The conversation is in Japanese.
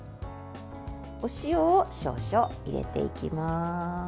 お塩を少々入れていきます。